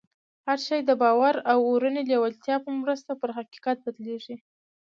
هر شی د باور او اورنۍ لېوالتیا په مرسته پر حقیقت بدلېږي